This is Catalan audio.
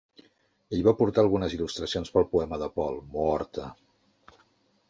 Ell va aportar algunes il·lustracions pel poema de Pol, "Mohorta".